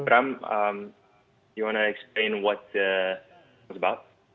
abram mau jelaskan tentang apa